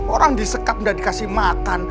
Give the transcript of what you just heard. orang disekat dan dikasih makan